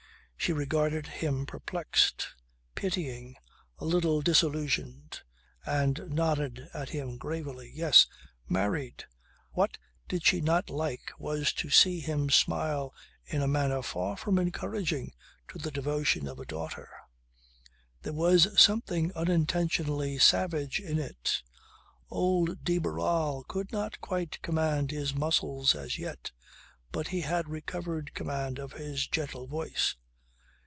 She regarded him perplexed, pitying, a little disillusioned, and nodded at him gravely: Yes. Married. What she did not like was to see him smile in a manner far from encouraging to the devotion of a daughter. There was something unintentionally savage in it. Old de Barral could not quite command his muscles, as yet. But he had recovered command of his gentle voice.